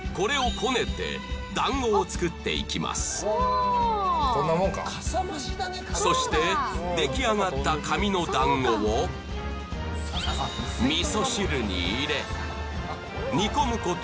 こんなもんかそして出来上がった紙の団子を味噌汁に入れ煮込むこと